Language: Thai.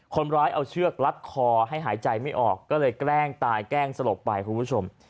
คนร้ายเอาเชือกรัดคอให้หายใจไม่ออกก็เลยแกล้งตายแกล้งสลบไปคุณผู้ชม